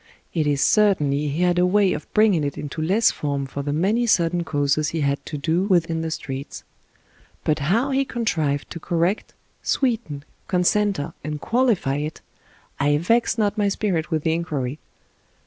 It is certain he had a way of bringing it into less form for the many sudden causes he had to do with in the streets; but how he contrived to 207 English Mystery Stories correct, sweeten, concenter, and qualify it — ^I vex not my spirit with the inquiry.